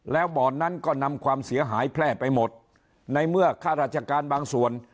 แล้วบ่อนั้นก็นำความเสียหายแพร่ไปหมดในเมื่อข้าราชการบางส่วน